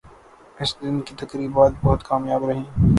اس دن کی تقریبات بہت کامیاب رہیں